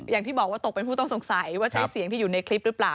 อย่างที่บอกว่าตกเป็นผู้ต้องสงสัยว่าใช้เสียงที่อยู่ในคลิปหรือเปล่า